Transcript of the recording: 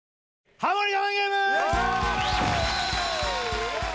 ハモリ我慢ゲーム！